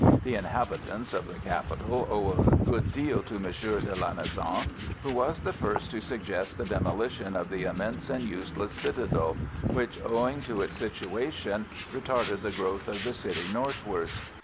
The inhabitants of the capital owe a good deal to M. de Lanessan, who was the first to suggest the demolition of the immense and useless citadel, which, owing to its situation, retarded the growth of the city northwards.